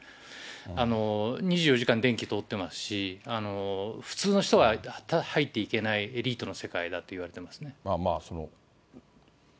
２４時間電気通ってますし、普通の人は入っていけないエリートの世界だといわれてますね。